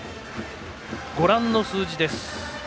ご覧の数字です。